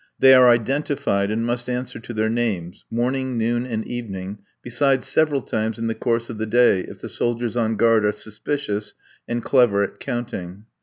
They are identified, and must answer to their names, morning, noon, and evening, besides several times in the course of the day if the soldiers on guard are suspicious and clever at counting.